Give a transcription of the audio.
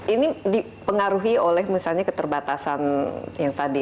ini dipengaruhi oleh misalnya keterbatasan yang tadi